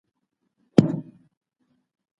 استادانو تل ویلي چي د څېړني لپاره ارام ذهن اړین دی.